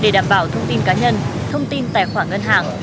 để đảm bảo thông tin cá nhân thông tin tài khoản ngân hàng